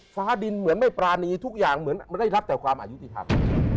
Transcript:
ฟ้าดินเหมือนไม่ปรานีทุกอย่างเหมือนไม่ได้รับแต่ความอายุติธรรม